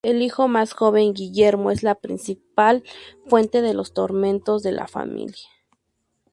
El hijo más joven, Guillermo es la principal fuente de los tormentos de la familia.